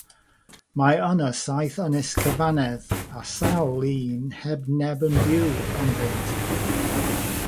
Mae yna saith ynys cyfannedd a sawl un heb neb yn byw ynddynt.